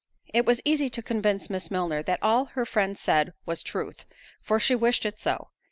It was easy to convince Miss Milner that all her friend said was truth, for she wished it so.